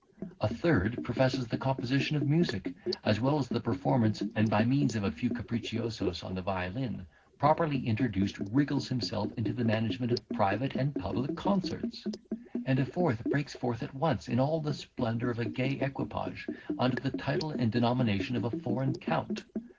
A third professes the composition of music, as well as the performance, and by means of a few capriciosos on the violin, properly introduced, wriggles himself into the management of private and public concerts. And a fourth breaks forth at once in all the splendour of a gay equipage, under the title and denomination of a foreign count.